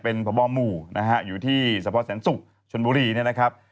เป็นพบหมู่นะฮะอยู่ที่สะพอแสนศุกร์ชนบุรีเนี่ยนะครับ